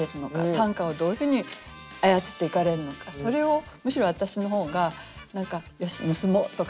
短歌をどういうふうに操っていかれるのかそれをむしろ私の方が何か「よし盗もう」とかね